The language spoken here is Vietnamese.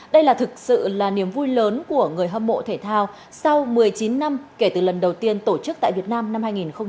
đây là thực sự là niềm vui lớn của người hâm mộ thể thao sau một mươi chín năm kể từ lần đầu tiên tổ chức tại việt nam năm hai nghìn một mươi tám